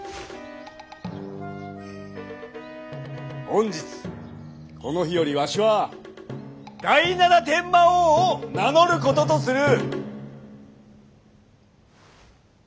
本日この日よりわしは第七天魔王を名乗る事とする！